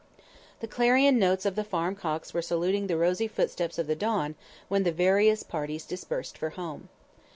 The clarion notes of the farm cocks were saluting the rosy footsteps of the dawn when the various parties dispersed for home.